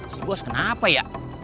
si bos kenapa ya